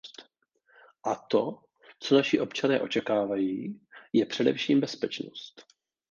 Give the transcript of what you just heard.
A to, co naši občané očekávají, je především bezpečnost.